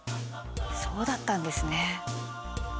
そうだったんですね。